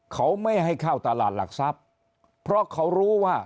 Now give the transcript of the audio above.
เขาไม่ให้เข้าตลาดหลักทรัพย์เพราะเขารู้ว่า